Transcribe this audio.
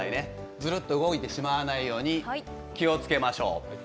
ずるっと動いてしまわないように気をつけましょう。